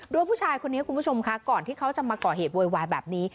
โดยผู้ชายคนนี้คุณผู้ชมค่ะก่อนที่เขาจะมาก่อเหตุโวยวายแบบนี้